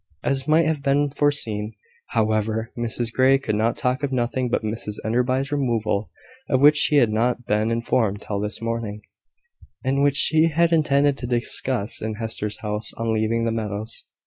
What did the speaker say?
As might have been foreseen, however, Mrs Grey could talk of nothing but Mrs Enderby's removal, of which she had not been informed till this morning, and which she had intended to discuss in Hester's house, on leaving the meadows.